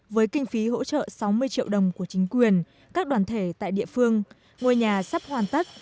với kinh phí hỗ trợ sáu mươi triệu đồng của chính quyền các đoàn thể tại địa phương ngôi nhà sắp hoàn tất